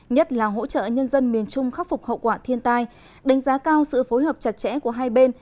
nhất là hỗ trợ nhân dân miền trung khắc phục hậu quả thiên tai đánh giá cao sự phối hợp chặt chẽ của hai bên